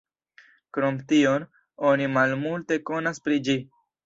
Krom tion, oni malmulte konas pri ĝi.